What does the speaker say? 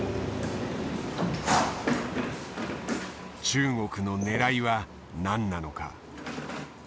中国のねらいは何なのか？